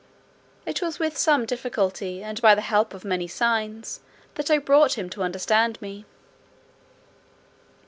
It was with some difficulty, and by the help of many signs, that I brought him to understand me.